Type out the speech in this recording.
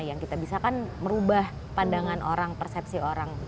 yang kita bisa kan merubah pandangan orang persepsi orang